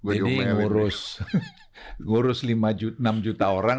ini ngurus lima enam juta orang